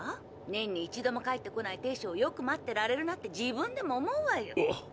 年に一度も帰ってこない亭主をよく待ってられるなって自分でも思うわよ。